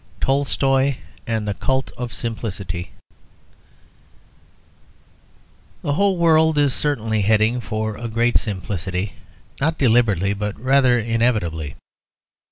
TOLSTOY AND THE CULT OF SIMPLICITY The whole world is certainly heading for a great simplicity, not deliberately, but rather inevitably.